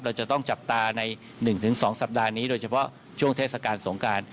เราจะต้องจับตาใน๑๒สัปดาห์นี้โดยเฉพาะช่วงเทศกาลสงการ